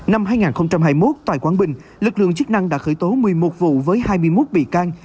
năm hai nghìn hai mươi một tại quảng bình lực lượng chức năng đã khởi tố một mươi một vụ với hai mươi một bị can